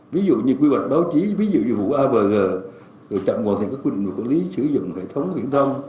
ví dụ như quy hoạch báo chí ví dụ như vụ avg chậm hoàn thiện các quy định của quản lý sử dụng hệ thống truyền thông